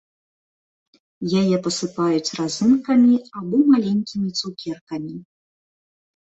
Яе пасыпаюць разынкамі або маленькімі цукеркамі.